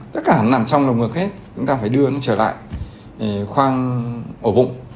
tất cả nằm trong lồng ngực hết chúng ta phải đưa nó trở lại khoang ổ bụng